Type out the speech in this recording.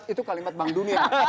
itu kalimat bank dunia